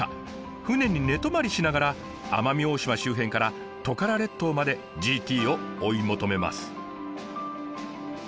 船に寝泊まりしながら奄美大島周辺からトカラ列島までＧＴを追い求めます。